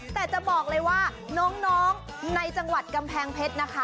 แต่จะบอกเลยว่าน้องในจังหวัดกำแพงเพชรนะคะ